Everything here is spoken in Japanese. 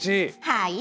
はい。